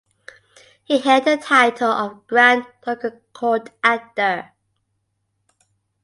He held the title of "Grand Ducal Court Actor".